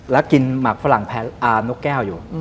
แล้วกินหมักฝรั่งแพ้นกแก้วอยู่